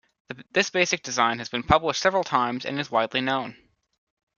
This basic design has been published several times and is widely known.